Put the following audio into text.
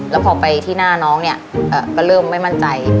แล้วพอไปที่หน้าน้องเนี่ยก็เริ่มไม่มั่นใจ